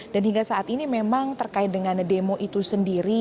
dan hingga saat ini memang terkait dengan demo itu sendiri